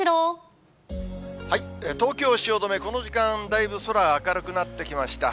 東京・汐留、この時間、だいぶ空明るくなってきました。